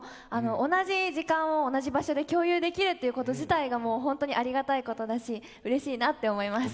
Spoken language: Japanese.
同じ時間を同じ場所で共有できるっていうこと自体がもうほんとにありがたいことだしうれしいなって思います。